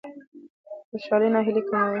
خوشالي ناهیلي کموي.